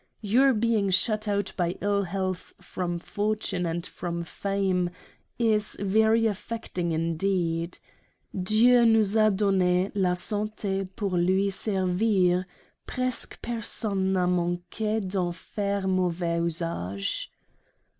Your being shut out by ill health from Fortune and from Fame is very affecting indeed. Dieu nous a donne la Sante pour lui Servir ; presque personne n'a manque d'en faire mauvais usage.